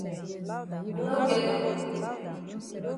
We no get de moni.